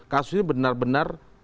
kasus ini benar benar